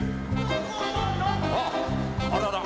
あっあらら！